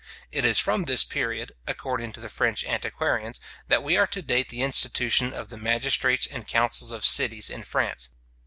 It is from this period, according to the French antiquarians, that we are to date the institution of the magistrates and councils of cities in France.